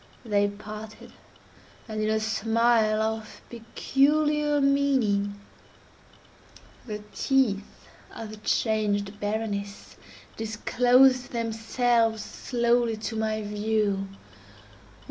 They parted; and in a smile of peculiar meaning, the teeth of the changed Berenice disclosed themselves slowly to my view.